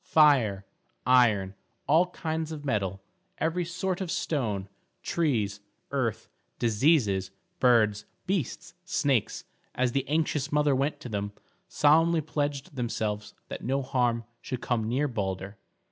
Fire, iron, all kinds of metal, every sort of stone, trees, earth, diseases, birds, beasts, snakes, as the anxious mother went to them, solemnly pledged themselves that no harm should come near Balder.